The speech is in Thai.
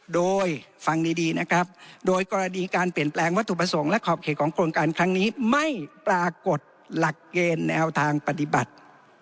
โดยฟังดีนะครับโดยกรณีการเปลี่ยนแปลงวัตถุประสงค์และขอบเขตของโครงการครั้งนี้ไม่ปรากฏหลักเกณฑ์แนวทางปฏิบัติ